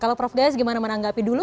kalau prof gaya gimana menanggapi dulu